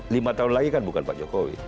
lima tahun lagi kan bukan pak jokowi